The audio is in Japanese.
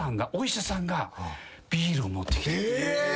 え！